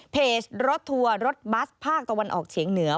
เพจรถทัวร์รถบัสภาคตะวันออกเฉียงเหนือ